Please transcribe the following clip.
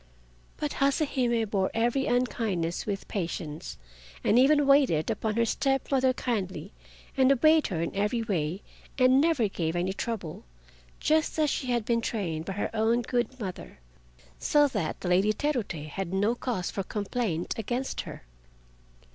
But Hase Hime bore every unkindness with patience, and even waited upon her step mother kindly and obeyed her in every way and never gave any trouble, just as she had been trained by her own good mother, so that the Lady Terute had no cause for complaint against her.